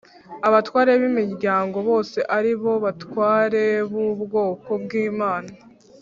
abatware b imiryango bose ari bo batware bubwoko bw ‘imana